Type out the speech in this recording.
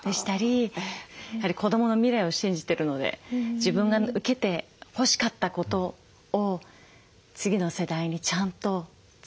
やはり子どもの未来を信じてるので自分が受けてほしかったことを次の世代にちゃんとつないでいきたい。